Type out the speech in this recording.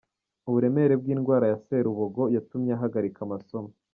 Uburemere bw’indwara ya Serubogo yatumye ahagarika amasomo.